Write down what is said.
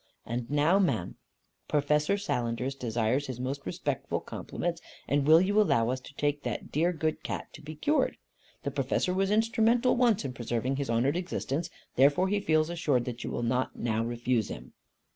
And now, ma'am, Professor Sallenders desires his most respectful compliments, and will you allow us to take that dear good cat to be cured. The Professor was instrumental once in preserving his honoured existence, therefore he feels assured that you will not now refuse him.